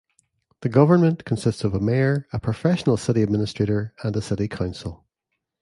The government consists of a mayor, a professional city administrator, and a city council.